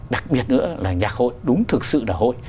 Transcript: đặc biệt nữa là nhạc hội đúng thực sự là hội